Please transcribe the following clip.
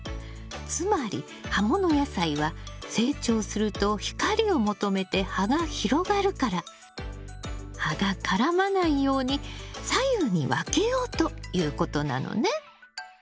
つまり葉物野菜は成長すると光を求めて葉が広がるから葉が絡まないように左右に分けようということなのね。